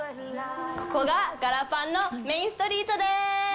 ここが、ガラパンのメインストリートでーす。